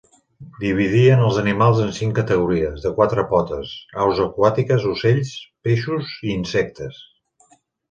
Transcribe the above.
Dividien els animals en cinc categories: de quatre potes, aus aquàtiques, ocells, peixos i insectes.